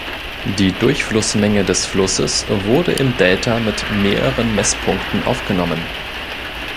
Die Durchflussmenge des Flusses wurde im Delta mit mehreren Messpunkten aufgenommen.